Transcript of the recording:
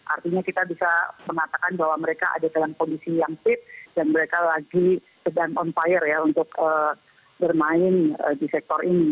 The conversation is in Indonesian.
artinya kita bisa mengatakan bahwa mereka ada dalam kondisi yang fit dan mereka lagi sedang on fire ya untuk bermain di sektor ini